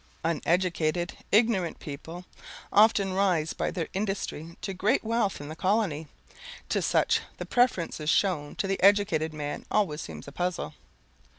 Uneducated, ignorant people often rise by their industry to great wealth in the colony; to such the preference shown to the educated man always seems a puzzle.